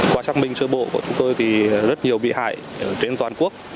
qua xác minh sơ bộ của chúng tôi thì rất nhiều bị hại trên toàn quốc